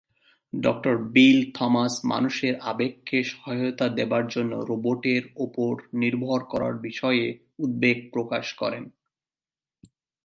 ডঃ Bill Thomas মানুষের আবেগকে সহায়তা দেয়ার জন্য রোবটের উপর নির্ভর করার বিষয়ে উদ্বেগ প্রকাশ করেন।